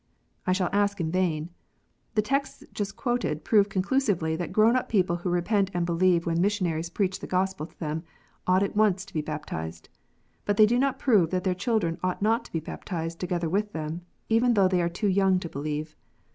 I shall ask in vain. The texts just quoted prove conclusively that grown up people who repent and believe when missionaries preach the Gospel to them, ought at once to be baptized. But they do not prove that their children ought not to be baptized together with them, even though they are too young to believe.